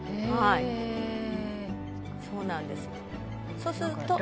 「そうすると」